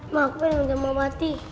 mak aku yang udah mau mati